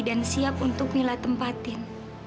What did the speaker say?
dan siap untuk mila tempatin